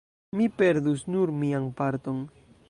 mi perdus nur mian parton.